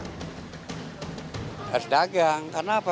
harus dagang karena apa